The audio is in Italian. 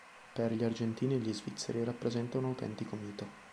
Per gli argentini e gli svizzeri rappresenta un autentico mito.